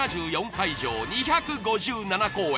会場２５７公演